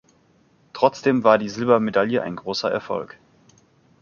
Trotzdem war die Silbermedaille ein großer Erfolg.